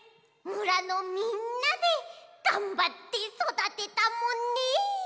むらのみんなでがんばってそだてたもんね。